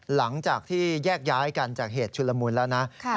หลังจากที่แยกย้ายกันจากเหตุชุลมุนแล้วนะ